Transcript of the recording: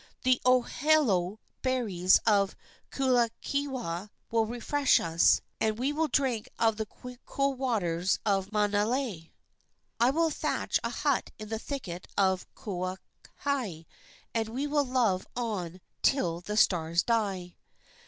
The ohelo berries of the Kuahiwa will refresh us, and we will drink of the cool waters of Maunalei. I will thatch a hut in the thicket of Kaohai, and we will love on till the stars die."